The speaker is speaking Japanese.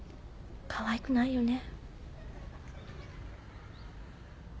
かわいくないよね。